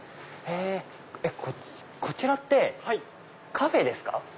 こちらってカフェですか？